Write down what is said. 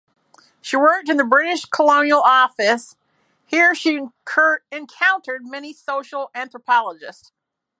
She worked in the British Colonial Office, here she encountered many social anthropologists.